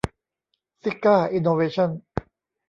ซิก้า อินโนเวชั่น